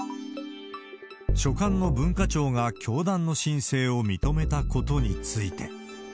所管の文化庁が教団の申請を認めたことについて。